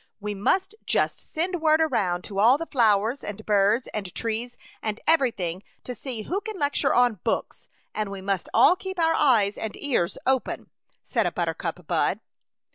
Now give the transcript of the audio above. "We must just send "word around to all the flowers and birds and trees and everything, to see who can lecture on books, and we must all keep our eyes and ears open, said a buttercup bud.